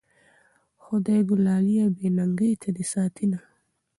خدايږو لالیه بې ننګۍ ته دي ساتينه